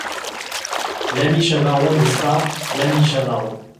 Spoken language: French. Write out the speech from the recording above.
L’ami Chavarot, n’est-ce pas ? l’ami Chavarot !